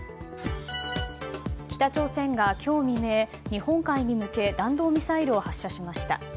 北朝鮮が今日未明、日本海に向け弾道ミサイルを発射しました。